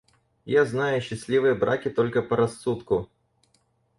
Я знаю счастливые браки только по рассудку.